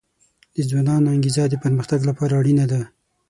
د ځوانانو انګیزه د پرمختګ لپاره اړینه ده.